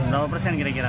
berapa persen kira kira